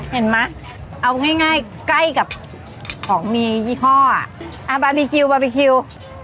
เย็นมะเอาง่ายใกล้กับของมียี่ห้อบาบีคิวบาบีคิว